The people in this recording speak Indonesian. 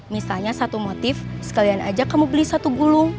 misalnya satu motif sekalian ajak kamu beli satu gulung